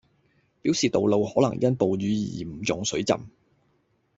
表示道路可能因暴雨而嚴重水浸